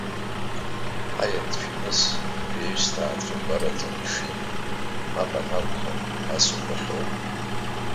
Ҳаи, анцәа иныс, абри аҩсҭаацәа гәараҵаны ишимоу, мап анакәха, ас убахьоу!